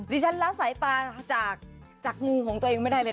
ดิฉันละสายตาจากงูของตัวเองไม่ได้เลยค่ะ